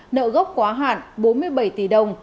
nợ gốc quá hạn bốn mươi bảy tỷ đồng